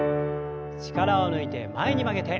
力を抜いて前に曲げて。